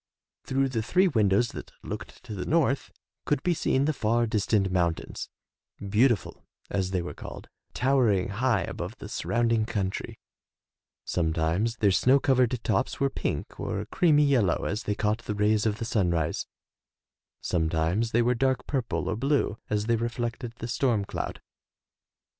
Through the three windows that looked to the north could be seen the far distant mountains Beautiful, as they were called, towering high above the surrounding country; sometimes their snow covered tops were pink or creamy yellow as they caught the rays of the sunrise; sometimes they were dark purple or blue as they reflected the storm cloud.